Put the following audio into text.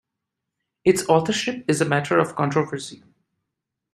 Its authorship is a matter of controversy.